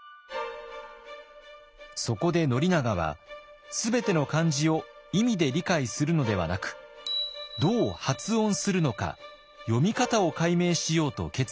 そこで宣長は全ての漢字を意味で理解するのではなくどう発音するのか読み方を解明しようと決意しました。